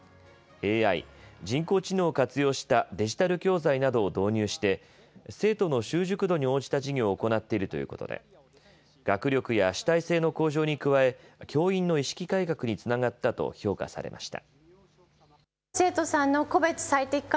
ＡＩ・人工知能を活用したデジタル教材などを導入して生徒の習熟度に応じた授業を行っているということで学力や主体性の向上に加え教員の意識改革につながったと評価されました。